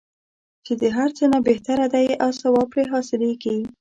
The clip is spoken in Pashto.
چې د هر څه نه بهتره دی او ثواب پرې حاصلیږي.